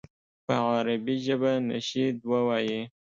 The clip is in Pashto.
په عربي ژبه نشید ووایي.